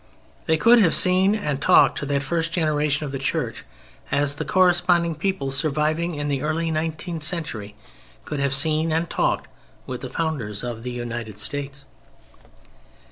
They could have seen and talked to that first generation of the Church as the corresponding people surviving in the early nineteenth century could have seen and talked with the founders of the United States.